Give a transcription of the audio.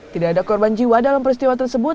tidak ada korban jiwa dalam peristiwa tersebut